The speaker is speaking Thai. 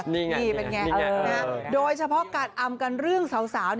นี่ไงเป็นอย่างนั้นโดยเฉพาะการอำกันเรื่องสาว